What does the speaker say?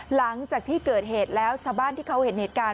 หลังจากที่เกิดเหตุแล้วชาวบ้านที่เขาเห็นเหตุการณ์